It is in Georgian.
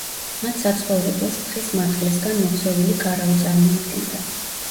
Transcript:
მათ საცხოვრებელს თხის მატყლისგან მოქსოვილი კარავი წარმოადგენდა.